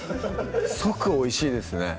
即おいしいですね